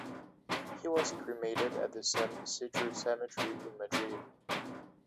He was cremated at the San Isidro cemetery in Madrid.